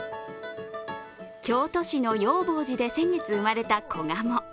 京都市の要法寺で先月生まれた子ガモ。